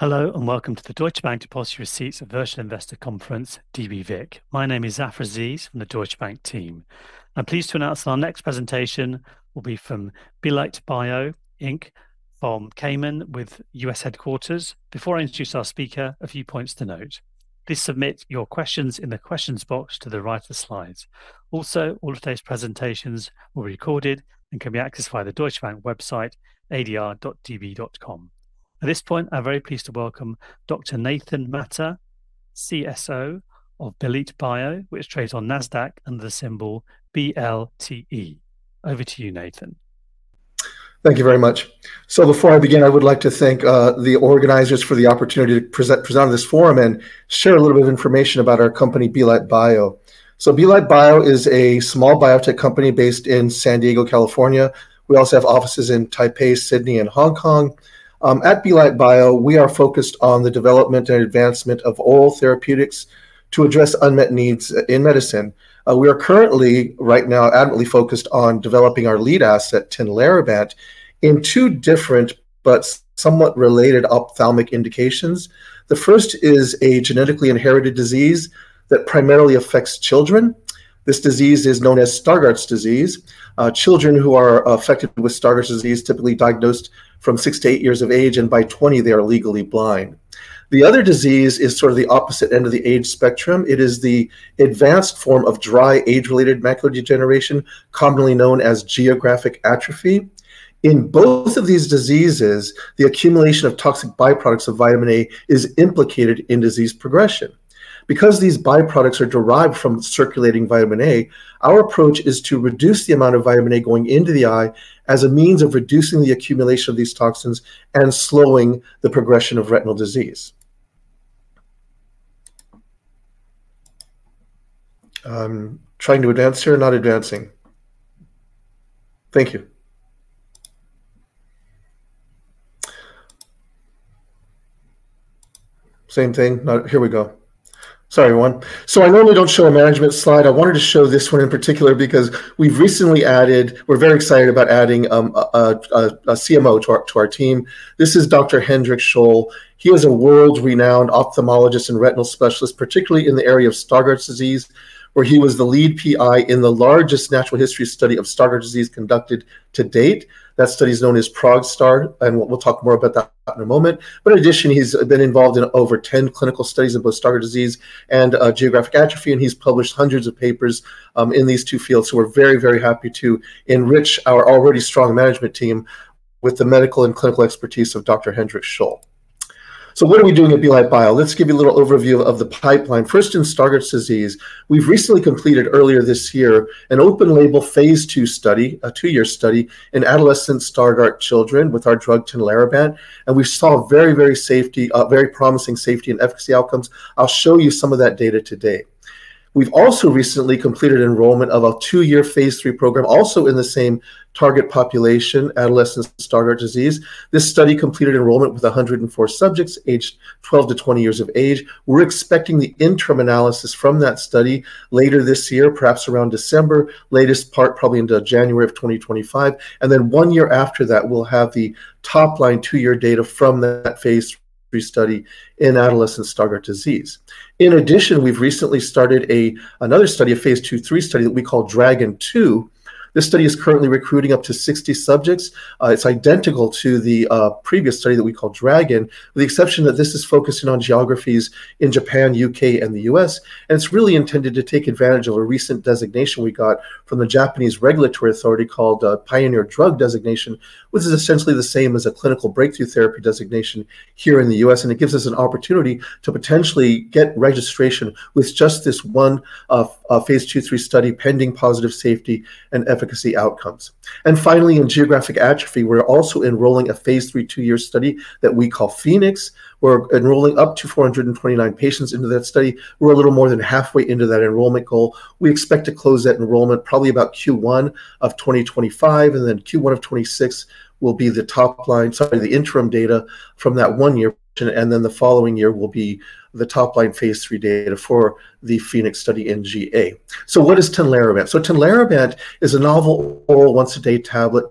Hello, and welcome to the Deutsche Bank Depositary Receipts and Virtual Investor Conference, DBVIC. My name is Afra Aziz from the Deutsche Bank team. I'm pleased to announce that our next presentation will be from Belite Bio, Inc. from Cayman with U.S. headquarters. Before I introduce our speaker, a few points to note. Please submit your questions in the questions box to the right of the slides. Also, all of today's presentations will be recorded and can be accessed via the Deutsche Bank website, adr.db.com. At this point, I'm very pleased to welcome Dr. Nathan Mata, CSO of Belite Bio, which trades on Nasdaq under the symbol BLTE. Over to you, Nathan. Thank you very much. Before I begin, I would like to thank the organizers for the opportunity to present on this forum and share a little bit of information about our company, Belite Bio. Belite Bio is a small biotech company based in San Diego, California. We also have offices in Taipei, Sydney, and Hong Kong. At Belite Bio, we are focused on the development and advancement of oral therapeutics to address unmet needs in medicine. We are currently, right now, adamantly focused on developing our lead asset, Tinlarebant, in two different but somewhat related ophthalmic indications. The first is a genetically inherited disease that primarily affects children. This disease is known as Stargardt's disease. Children who are affected with Stargardt's disease, typically diagnosed from six to eight years of age, and by twenty, they are legally blind. The other disease is sort of the opposite end of the age spectrum. It is the advanced form of dry, age-related macular degeneration, commonly known as geographic atrophy. In both of these diseases, the accumulation of toxic byproducts of vitamin A is implicated in disease progression. Because these byproducts are derived from circulating vitamin A, our approach is to reduce the amount of vitamin A going into the eye as a means of reducing the accumulation of these toxins and slowing the progression of retinal disease. Here we go. Sorry, everyone. So I normally don't show a management slide. I wanted to show this one in particular because we've recently added... We're very excited about adding a CMO to our team. This is Dr. Hendrik Scholl. He was a world-renowned ophthalmologist and retinal specialist, particularly in the area of Stargardt's disease, where he was the lead PI in the largest natural history study of Stargardt's disease conducted to date. That study is known as PROGSTAR, and we'll talk more about that in a moment. But in addition, he's been involved in over 10 clinical studies of both Stargardt's disease and geographic atrophy, and he's published hundreds of papers in these two fields. So we're very, very happy to enrich our already strong management team with the medical and clinical expertise of Dr. Hendrik Scholl. So what are we doing at Belite Bio? Let's give you a little overview of the pipeline. First, in Stargardt disease, we've recently completed earlier this year an open-label phase 2 study, a two-year study in adolescent Stargardt children with our drug, Tinlarebant, and we saw very, very safety, very promising safety and efficacy outcomes. I'll show you some of that data today. We've also recently completed enrollment of a two-year phase III program, also in the same target population, adolescents with Stargardt disease. This study completed enrollment with 104 subjects, aged 12 to 20 years of age. We're expecting the interim analysis from that study later this year, perhaps around December, latest part, probably into January of 2025, and then one year after that, we'll have the top-line two-year data from that phase III study in adolescent Stargardt disease. In addition, we've recently started a another study, a phase 2/3 study that we call DRAGON II. This study is currently recruiting up to sixty subjects. It's identical to the previous study that we call DRAGON, with the exception that this is focusing on geographies in Japan, U.K., and the U.S., and it's really intended to take advantage of a recent designation we got from the Japanese Regulatory Authority called Pioneer Drug Designation, which is essentially the same as a clinical breakthrough therapy designation here in the U.S., and it gives us an opportunity to potentially get registration with just this one phase 2/3 study, pending positive safety and efficacy outcomes. And finally, in geographic atrophy, we're also enrolling a phase III, two-year study that we call PHOENIX. We're enrolling up to four hundred and twenty-nine patients into that study. We're a little more than halfway into that enrollment goal. We expect to close that enrollment probably about Q1 of twenty twenty-five, and then Q1 of twenty twenty-six will be the top line, sorry, the interim data from that one year, and then the following year will be the top-line phase III data for the PHOENIX study in GA. So what is Tinlarebant? So Tinlarebant is a novel oral once a day tablet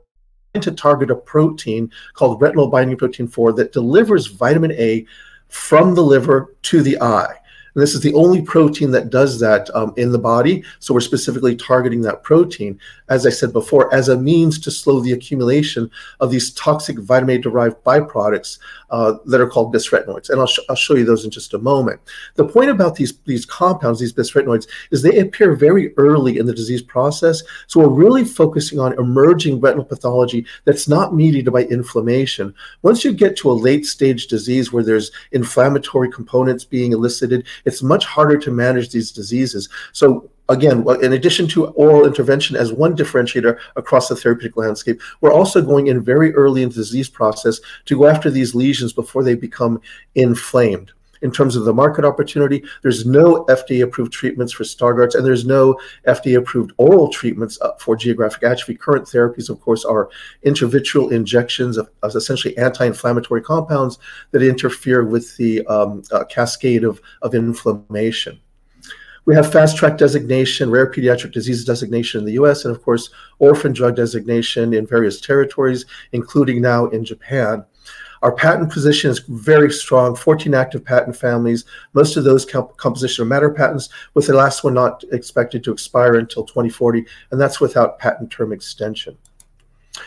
to target a protein called retinol binding protein 4, that delivers vitamin A from the liver to the eye. This is the only protein that does that, in the body, so we're specifically targeting that protein, as I said before, as a means to slow the accumulation of these toxic vitamin A-derived byproducts, that are called bisretinoids, and I'll show you those in just a moment. The point about these, these compounds, these bisretinoids, is they appear very early in the disease process, so we're really focusing on emerging retinal pathology that's not mediated by inflammation. Once you get to a late-stage disease where there's inflammatory components being elicited, it's much harder to manage these diseases. So again, what, in addition to oral intervention as one differentiator across the therapeutic landscape, we're also going in very early in the disease process to go after these lesions before they become inflamed. In terms of the market opportunity, there's no FDA-approved treatments for Stargardt's, and there's no FDA-approved oral treatments for geographic atrophy. Current therapies, of course, are intravitreal injections of essentially anti-inflammatory compounds that interfere with the cascade of inflammation.... We have Fast Track Designation, Rare Pediatric Disease Designation in the U.S., and of course, Orphan Drug Designation in various territories, including now in Japan. Our patent position is very strong, 14 active patent families. Most of those composition of matter patents, with the last one not expected to expire until 2040, and that's without patent term extension.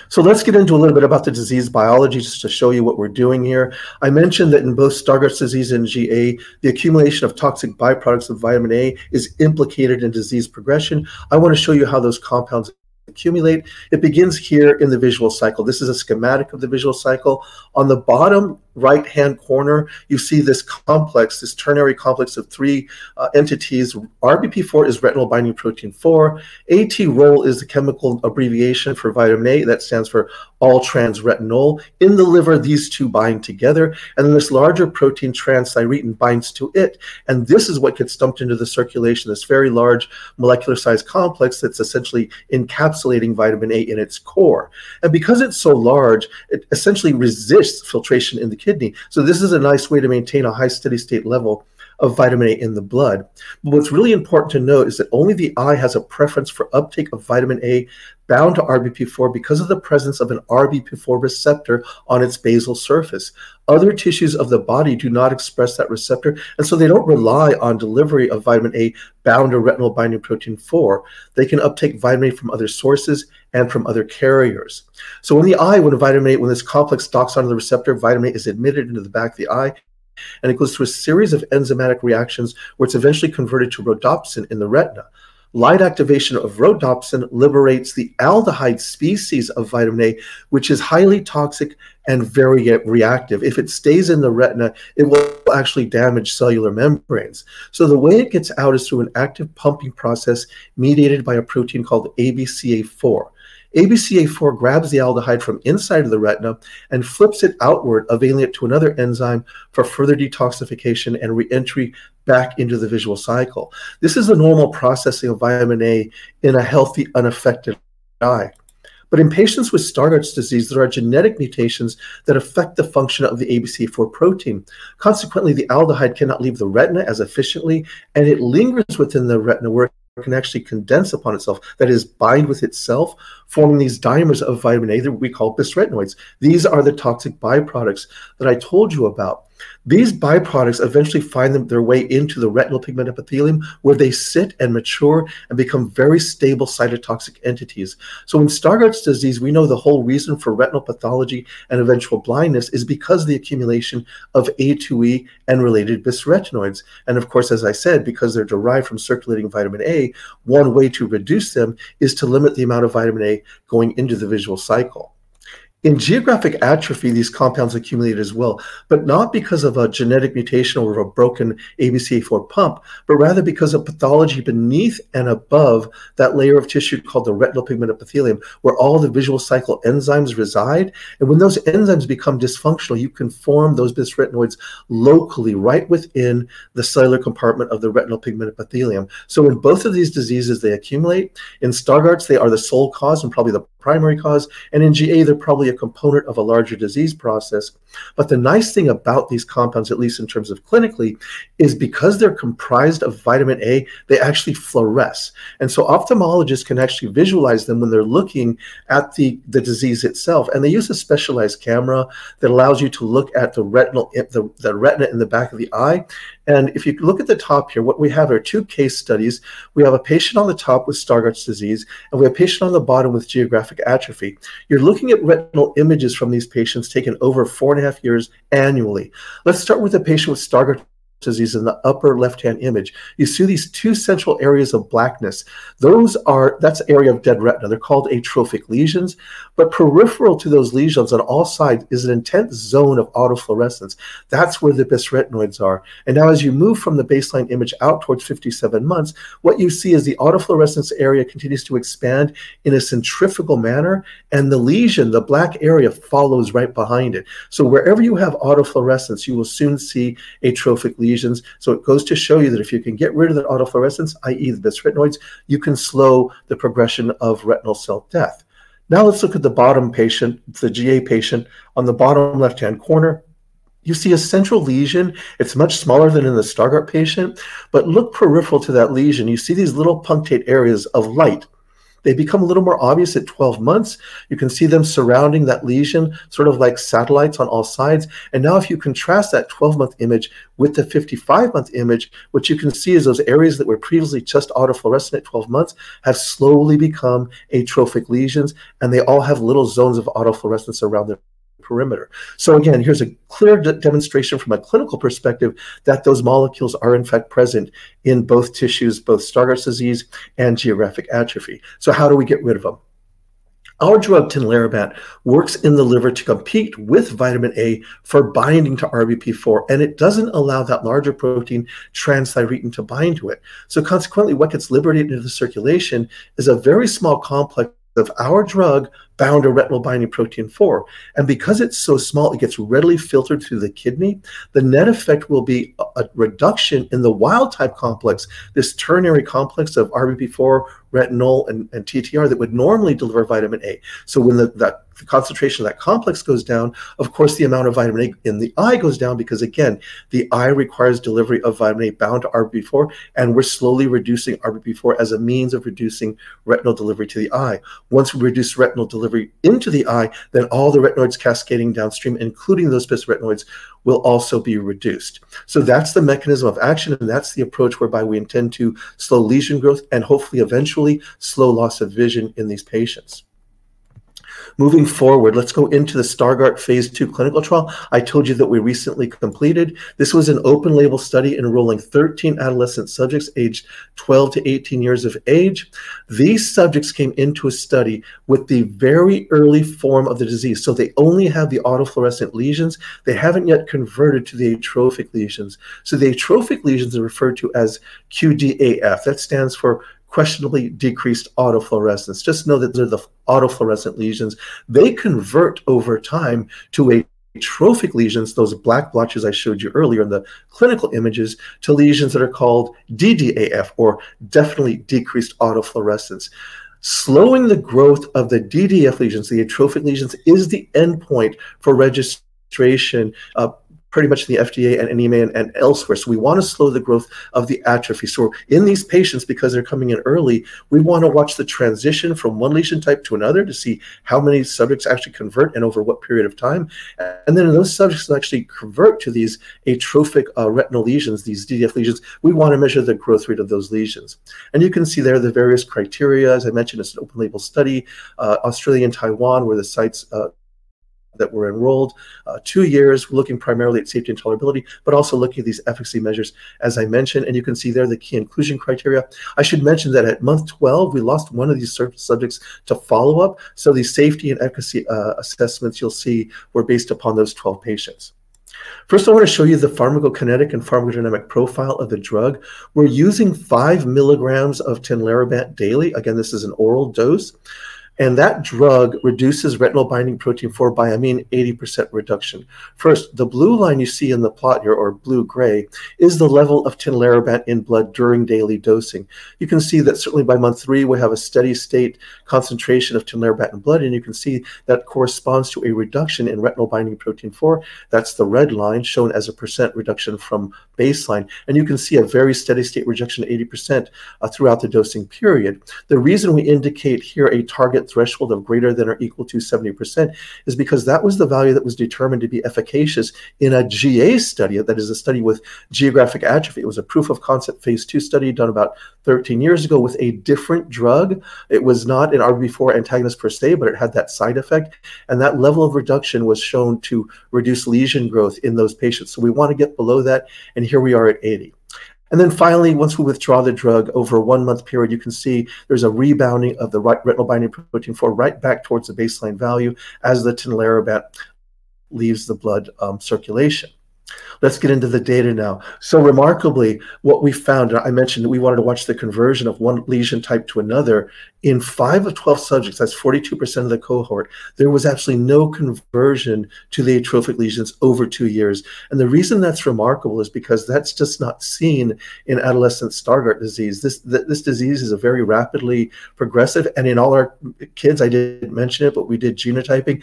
So let's get into a little bit about the disease biology, just to show you what we're doing here. I mentioned that in both Stargardt's disease and GA, the accumulation of toxic byproducts of vitamin A is implicated in disease progression. I want to show you how those compounds accumulate. It begins here in the visual cycle. This is a schematic of the visual cycle. On the bottom right-hand corner, you see this complex, this ternary complex of three entities. RBP4 is retinol binding protein four, atROL is the chemical abbreviation for vitamin A. That stands for all-trans-retinol. In the liver, these two bind together, and then this larger protein, transthyretin, binds to it, and this is what gets dumped into the circulation, this very large molecular size complex that's essentially encapsulating vitamin A in its core. And because it's so large, it essentially resists filtration in the kidney. So this is a nice way to maintain a high, steady state level of vitamin A in the blood. But what's really important to note is that only the eye has a preference for uptake of vitamin A bound to RBP4 because of the presence of an RBP4 receptor on its basal surface. Other tissues of the body do not express that receptor, and so they don't rely on delivery of vitamin A bound to retinol binding protein four. They can uptake vitamin A from other sources and from other carriers. So in the eye, when vitamin A, when this complex docks onto the receptor, vitamin A is admitted into the back of the eye, and it goes through a series of enzymatic reactions, where it's eventually converted to rhodopsin in the retina. Light activation of rhodopsin liberates the aldehyde species of vitamin A, which is highly toxic and very reactive. If it stays in the retina, it will actually damage cellular membranes. So the way it gets out is through an active pumping process mediated by a protein called ABCA4. ABCA4 grabs the aldehyde from inside of the retina and flips it outward, availing it to another enzyme for further detoxification and re-entry back into the visual cycle. This is the normal processing of vitamin A in a healthy, unaffected eye. But in patients with Stargardt's disease, there are genetic mutations that affect the function of the ABCA4 protein. Consequently, the aldehyde cannot leave the retina as efficiently, and it lingers within the retina, where it can actually condense upon itself, that is, bind with itself, forming these dimers of vitamin A that we call bisretinoids. These are the toxic byproducts that I told you about. These byproducts eventually find their way into the retinal pigment epithelium, where they sit and mature and become very stable cytotoxic entities. So in Stargardt's disease, we know the whole reason for retinal pathology and eventual blindness is because of the accumulation of A2E and related bisretinoids. And of course, as I said, because they're derived from circulating vitamin A, one way to reduce them is to limit the amount of vitamin A going into the visual cycle. In geographic atrophy, these compounds accumulate as well, but not because of a genetic mutation or of a broken ABCA4 pump, but rather because of pathology beneath and above that layer of tissue called the retinal pigment epithelium, where all the visual cycle enzymes reside, and when those enzymes become dysfunctional, you can form those bisretinoids locally, right within the cellular compartment of the retinal pigment epithelium, so in both of these diseases, they accumulate. In Stargardt's, they are the sole cause and probably the primary cause, and in GA, they're probably a component of a larger disease process, but the nice thing about these compounds, at least in terms of clinically, is because they're comprised of vitamin A, they actually fluoresce. And so ophthalmologists can actually visualize them when they're looking at the disease itself, and they use a specialized camera that allows you to look at the retina in the back of the eye. And if you look at the top here, what we have are two case studies. We have a patient on the top with Stargardt disease, and we have a patient on the bottom with geographic atrophy. You're looking at retinal images from these patients taken over four and a half years annually. Let's start with the patient with Stargardt disease in the upper left-hand image. You see these two central areas of blackness. Those are. That's area of dead retina. They're called atrophic lesions, but peripheral to those lesions on all sides is an intense zone of autofluorescence. That's where the bisretinoids are. Now, as you move from the baseline image out towards 57 months, what you see is the autofluorescence area continues to expand in a centrifugal manner, and the lesion, the black area, follows right behind it. Wherever you have autofluorescence, you will soon see atrophic lesions. It goes to show you that if you can get rid of that autofluorescence, i.e., the bisretinoids, you can slow the progression of retinal cell death. Now, let's look at the bottom patient, the GA patient. On the bottom left-hand corner, you see a central lesion. It's much smaller than in the Stargardt patient, but look peripheral to that lesion. You see these little punctate areas of light. They become a little more obvious at 12 months. You can see them surrounding that lesion, sort of like satellites on all sides. And now, if you contrast that 12-month image with the 55-month image, what you can see is those areas that were previously just autofluorescent at 12 months have slowly become atrophic lesions, and they all have little zones of autofluorescence around their perimeter. So again, here's a clear demonstration from a clinical perspective that those molecules are, in fact, present in both tissues, both Stargardt disease and geographic atrophy. So how do we get rid of them? Our drug, Tinlarebant, works in the liver to compete with vitamin A for binding to RBP4, and it doesn't allow that larger protein, transthyretin, to bind to it. So consequently, what gets liberated into the circulation is a very small complex of our drug bound to retinol binding protein four, and because it's so small, it gets readily filtered through the kidney. The net effect will be a reduction in the wild type complex, this ternary complex of RBP4, retinol, and TTR, that would normally deliver vitamin A. So when that concentration of that complex goes down, of course, the amount of vitamin A in the eye goes down because, again, the eye requires delivery of vitamin A bound to RBP4, and we're slowly reducing RBP4 as a means of reducing retinal delivery to the eye. Once we reduce retinal delivery into the eye, then all the retinoids cascading downstream, including those bisretinoids, will also be reduced. So that's the mechanism of action, and that's the approach whereby we intend to slow lesion growth and hopefully eventually slow loss of vision in these patients. Moving forward, let's go into the Stargardt phase II clinical trial. I told you that we recently completed. This was an open-label study enrolling 13 adolescent subjects aged 12 to 18 years of age. These subjects came into a study with the very early form of the disease, so they only had the autofluorescent lesions. They haven't yet converted to the atrophic lesions. So the atrophic lesions are referred to as QDAF. That stands for Questionably Decreased Autofluorescence. Just know that they're the autofluorescent lesions. They convert over time to atrophic lesions, those black blotches I showed you earlier in the clinical images, to lesions that are called DDAF, or Definitely Decreased Autofluorescence. Slowing the growth of the DDAF lesions, the atrophic lesions, is the endpoint for registration, pretty much in the FDA and EMA and elsewhere. So we want to slow the growth of the atrophy. So in these patients, because they're coming in early, we want to watch the transition from one lesion type to another to see how many subjects actually convert and over what period of time. And then those subjects that actually convert to these atrophic, retinal lesions, these DDAF lesions, we want to measure the growth rate of those lesions. And you can see there the various criteria. As I mentioned, it's an open-label study. Australia and Taiwan were the sites that were enrolled, two years, looking primarily at safety and tolerability, but also looking at these efficacy measures, as I mentioned, and you can see there the key inclusion criteria. I should mention that at month 12, we lost one of these subjects to follow-up, so the safety and efficacy assessments you'll see were based upon those 12 patients. First, I want to show you the pharmacokinetic and pharmacodynamic profile of the drug. We're using five mg of Tinlarebant daily. Again, this is an oral dose, and that drug reduces retinol binding protein four by a mean 80% reduction. First, the blue line you see in the plot here, or blue-gray, is the level of Tinlarebant in blood during daily dosing. You can see that certainly by month three, we have a steady state concentration of Tinlarebant in blood, and you can see that corresponds to a reduction in retinol binding protein four. That's the red line shown as a % reduction from baseline, and you can see a very steady state reduction, 80%, throughout the dosing period. The reason we indicate here a target threshold of greater than or equal to 70% is because that was the value that was determined to be efficacious in a GA study, that is a study with Geographic Atrophy. It was a proof of concept phase II study done about 13 years ago with a different drug. It was not an RBP4 antagonist per se, but it had that side effect, and that level of reduction was shown to reduce lesion growth in those patients. So we want to get below that, and here we are at 80%. And then finally, once we withdraw the drug over a 1-month period, you can see there's a rebounding of the Retinol Binding Protein 4 right back towards the baseline value as the Tinlarebant leaves the blood, circulation. Let's get into the data now. So remarkably, what we found, I mentioned that we wanted to watch the conversion of one lesion type to another. In five of 12 subjects, that's 42% of the cohort, there was actually no conversion to the atrophic lesions over two years, and the reason that's remarkable is because that's just not seen in adolescent Stargardt Disease. This, this disease is a very rapidly progressive, and in all our kids, I didn't mention it, but we did genotyping.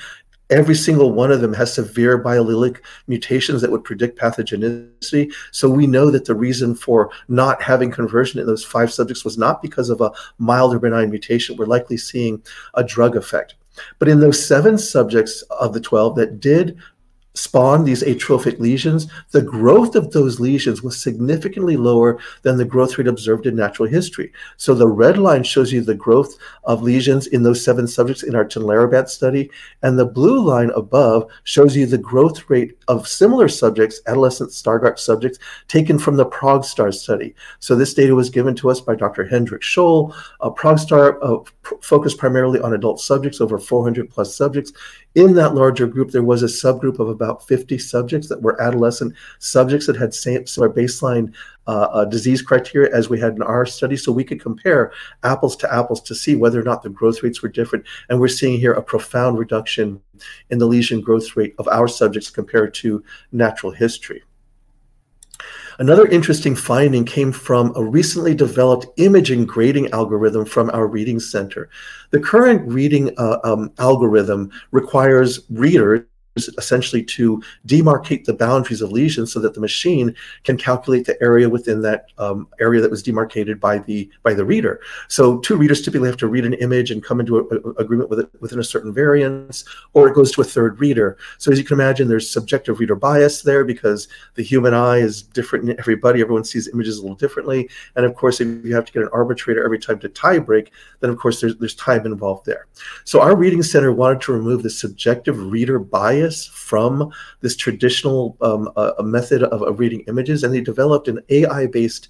Every single one of them has severe biallelic mutations that would predict pathogenicity, so we know that the reason for not having conversion in those five subjects was not because of a mild or benign mutation. We're likely seeing a drug effect. In those seven subjects of the twelve that did spawn these atrophic lesions, the growth of those lesions was significantly lower than the growth rate observed in natural history. The red line shows you the growth of lesions in those seven subjects in our Tinlarebant study, and the blue line above shows you the growth rate of similar subjects, adolescent Stargardt subjects, taken from the PROGSTAR study. This data was given to us by Dr. Hendrik Scholl. PROGSTAR focused primarily on adult subjects, over four hundred plus subjects. In that larger group, there was a subgroup of about fifty subjects that were adolescent subjects that had similar baseline disease criteria as we had in our study. We could compare apples to apples to see whether or not the growth rates were different. We're seeing here a profound reduction in the lesion growth rate of our subjects compared to natural history. Another interesting finding came from a recently developed imaging grading algorithm from our reading center. The current reading algorithm requires readers essentially to demarcate the boundaries of lesions so that the machine can calculate the area within that area that was demarcated by the reader. Two readers typically have to read an image and come into an agreement with it within a certain variance, or it goes to a third reader. As you can imagine, there's subjective reader bias there because the human eye is different in everybody. Everyone sees images a little differently. Of course, if you have to get an arbitrator every time to tiebreak, then, of course, there's time involved there. Our reading center wanted to remove the subjective reader bias from this traditional method of reading images, and they developed an AI-based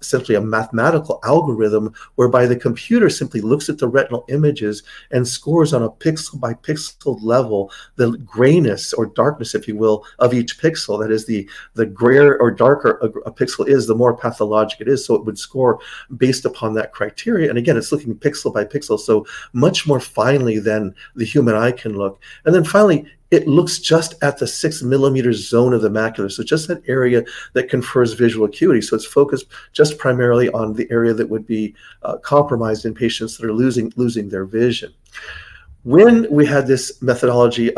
essentially a mathematical algorithm, whereby the computer simply looks at the retinal images and scores on a pixel-by-pixel level, the grayness or darkness, if you will, of each pixel. That is, the grayer or darker a pixel is, the more pathologic it is, so it would score based upon that criteria. Again, it's looking pixel by pixel, so much more finely than the human eye can look. Finally, it looks just at the six-mm zone of the macula. Just that area that confers visual acuity. It's focused just primarily on the area that would be compromised in patients that are losing their vision. When we had this methodology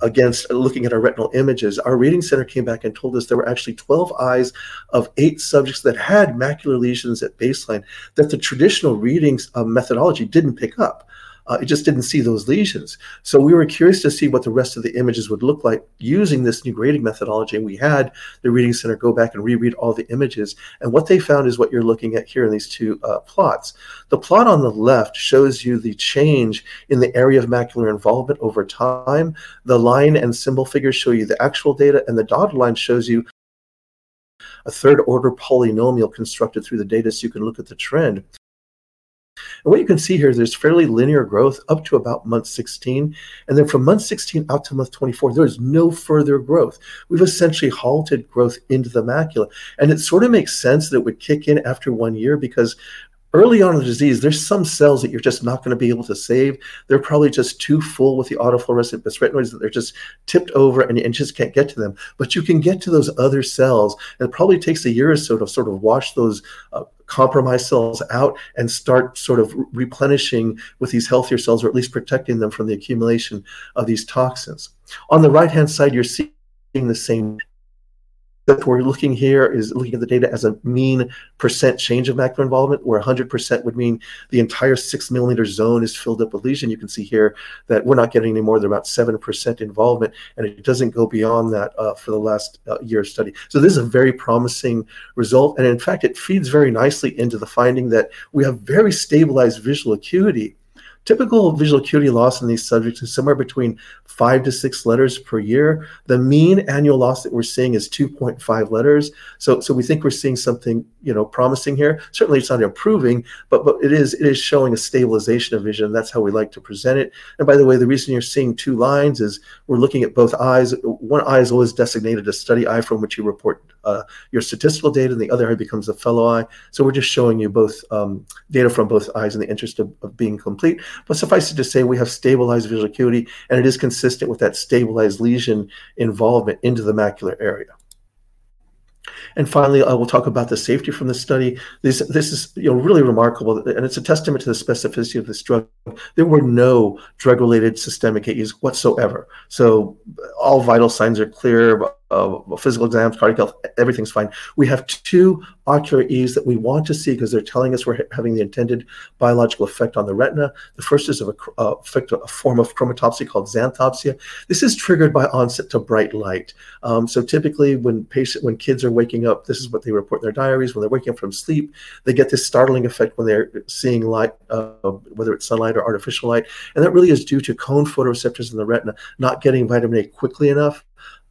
against... Looking at our retinal images, our reading center came back and told us there were actually 12 eyes of eight subjects that had macular lesions at baseline that the traditional readings methodology didn't pick up. It just didn't see those lesions. So we were curious to see what the rest of the images would look like using this new grading methodology, and we had the reading center go back and reread all the images, and what they found is what you're looking at here in these two plots. The plot on the left shows you the change in the area of macular involvement over time. The line and symbol figures show you the actual data, and the dotted line shows you a third order polynomial constructed through the data, so you can look at the trend. What you can see here is there's fairly linear growth up to about month 16, and then from month 16 out to month 24, there is no further growth. We've essentially halted growth into the macula, and it sort of makes sense that it would kick in after one year, because early on in the disease, there's some cells that you're just not gonna be able to save. They're probably just too full with the autofluorescent lipofuscin, they're just tipped over, and you just can't get to them. But you can get to those other cells, and it probably takes a year or so to sort of wash those compromised cells out and start sort of replenishing with these healthier cells, or at least protecting them from the accumulation of these toxins. On the right-hand side, you're seeing the same. What we're looking here is looking at the data as a mean % change of macula involvement, where 100% would mean the entire 6-mm zone is filled up with lesion. You can see here that we're not getting any more, they're about 7% involvement, and it doesn't go beyond that, for the last year study. So this is a very promising result, and in fact, it feeds very nicely into the finding that we have very stabilized visual acuity. Typical visual acuity loss in these subjects is somewhere between 5 to 6 letters per year. The mean annual loss that we're seeing is 2.5 letters. So, so we think we're seeing something, you know, promising here. Certainly, it's not improving, but, but it is, it is showing a stabilization of vision. That's how we like to present it. By the way, the reason you're seeing two lines is we're looking at both eyes. One eye is always designated a study eye from which you report your statistical data, and the other eye becomes a fellow eye. We're just showing you both data from both eyes in the interest of being complete. Suffice it to say, we have stabilized visual acuity, and it is consistent with that stabilized lesion involvement into the macular area. Finally, I will talk about the safety from the study. This is, you know, really remarkable, and it's a testament to the specificity of this drug. There were no drug-related systemic AEs whatsoever. All vital signs are clear, physical exams, cardiac health, everything's fine. We have two ocular AEs that we want to see because they're telling us we're having the intended biological effect on the retina. The first is of a color effect, a form of chromatopsia called xanthopsia. This is triggered by onset to bright light. So typically, when kids are waking up, this is what they report in their diaries. When they're waking up from sleep, they get this startling effect when they're seeing light, whether it's sunlight or artificial light, and that really is due to cone photoreceptors in the retina not getting vitamin A quickly enough.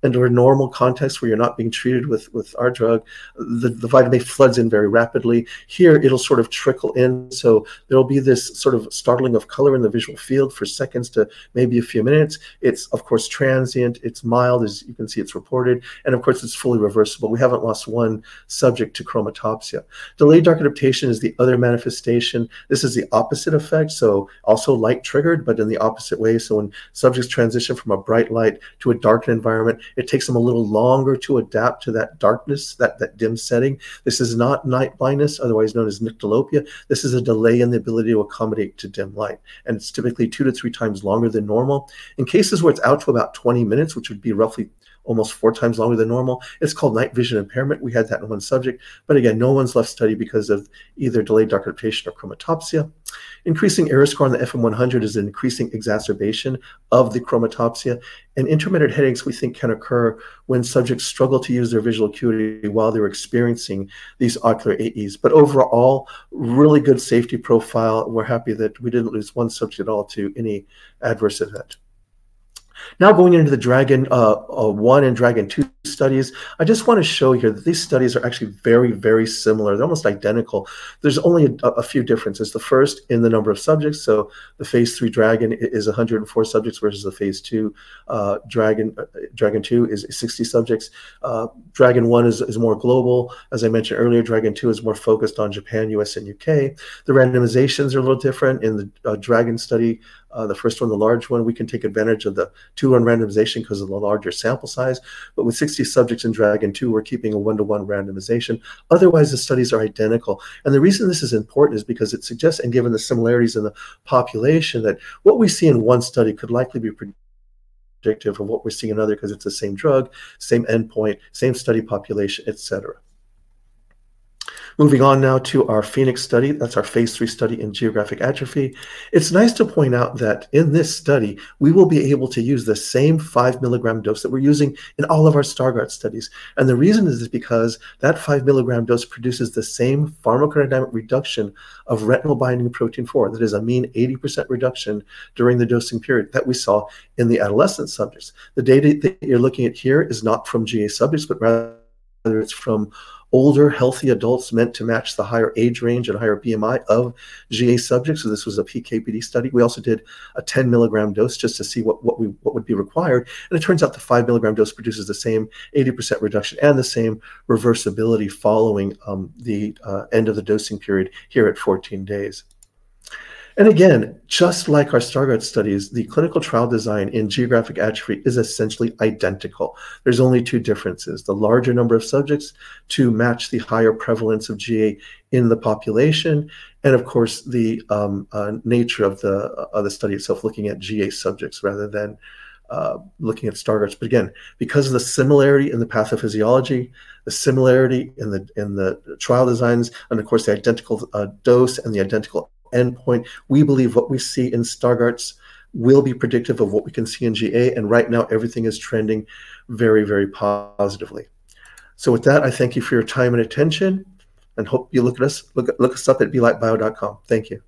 Under a normal context, where you're not being treated with our drug, the vitamin A floods in very rapidly. Here, it'll sort of trickle in, so there'll be this sort of startling of color in the visual field for seconds to maybe a few minutes. It's, of course, transient, it's mild, as you can see, it's reported, and of course, it's fully reversible. We haven't lost one subject to chromatopsia. Delayed dark adaptation is the other manifestation. This is the opposite effect, so also light triggered, but in the opposite way. So when subjects transition from a bright light to a dark environment, it takes them a little longer to adapt to that darkness, that dim setting. This is not night blindness, otherwise known as nyctalopia. This is a delay in the ability to accommodate to dim light, and it's typically two to three times longer than normal. In cases where it's out to about twenty minutes, which would be roughly almost four times longer than normal, it's called night vision impairment. We had that in one subject, but again, no one's left study because of either delayed dark adaptation or chromatopsia. Increasing EROS score on the FM-100 is an increasing exacerbation of the chromatopsia, and intermittent headaches we think can occur when subjects struggle to use their visual acuity while they're experiencing these ocular AEs. But overall, really good safety profile. We're happy that we didn't lose one subject at all to any adverse event. Now, going into the DRAGON one and DRAGON two studies, I just want to show here that these studies are actually very, very similar. They're almost identical. There's only a few differences. The first, in the number of subjects, so the phase III DRAGON one is 104 subjects, versus the phase II DRAGON two is 60 subjects. DRAGON one is more global. As I mentioned earlier, DRAGON two is more focused on Japan, U.S., and U.K. The randomizations are a little different. In the DRAGON study, the first one, the large one, we can take advantage of the 2:1 randomization because of the larger sample size. But with 60 subjects in DRAGON II, we're keeping a one-to-one randomization. Otherwise, the studies are identical, and the reason this is important is because it suggests, and given the similarities in the population, that what we see in one study could likely be predictive of what we see in another, because it's the same drug, same endpoint, same study population, et cetera. Moving on now to our PHOENIX study. That's our phase III study in geographic atrophy. It's nice to point out that in this study, we will be able to use the same 5-mg dose that we're using in all of our Stargardt studies. And the reason is because that 5-mg dose produces the same pharmacodynamic reduction of retinol binding protein 4. That is a mean 80% reduction during the dosing period that we saw in the adolescent subjects. The data that you're looking at here is not from GA subjects, but rather it's from older, healthy adults meant to match the higher age range and higher BMI of GA subjects, so this was a PK/PD study. We also did a 10-mg dose just to see what would be required, and it turns out the five-mg dose produces the same 80% reduction and the same reversibility following the end of the dosing period here at 14 days. And again, just like our Stargardt studies, the clinical trial design in Geographic Atrophy is essentially identical. There's only two differences: the larger number of subjects to match the higher prevalence of GA in the population, and of course, the nature of the study itself, looking at GA subjects rather than looking at Stargardts. But again, because of the similarity in the pathophysiology, the similarity in the trial designs, and of course, the identical dose and the identical endpoint, we believe what we see in Stargardts will be predictive of what we can see in GA, and right now, everything is trending very, very positively. So with that, I thank you for your time and attention, and hope you look at us. Look us up at belitebio.com. Thank you.